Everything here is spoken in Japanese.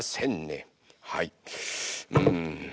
うん。